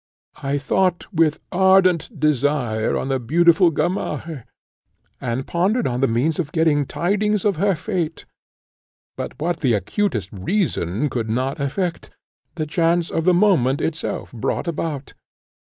I thought with ardent desire on the beautiful Gamaheh, and pondered on the means of getting tidings of her fate; but what the acutest reason could not effect, the chance of the moment itself brought about.